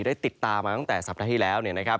ได้ติดตามมาตั้งแต่สัปดาห์ที่แล้ว